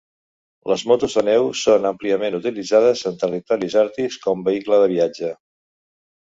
Les motos de neu són àmpliament utilitzades en territoris àrtics com vehicle de viatge.